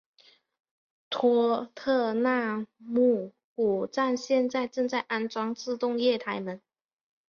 托特纳姆谷站现在正在安装自动月台门。